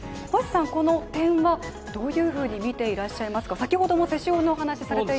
この点は、どういうふうに見ていらっしゃいますか？